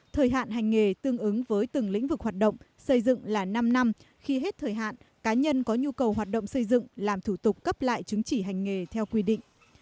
thời hạn hành nghề tương ứng với từng lĩnh vực hoạt động xây dựng là năm năm khi hết thời hạn cá nhân có nhu cầu hoạt động xây dựng làm thủ tục cấp lại chứng chỉ hành nghề theo quy định